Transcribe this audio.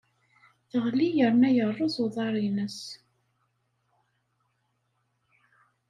Teɣli yerna yerreẓ uḍar-nnes.